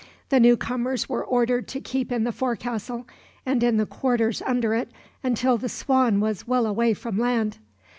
The newcomers were ordered to keep in the forecastle, and in the quarters under it, until the Swan was well away from land.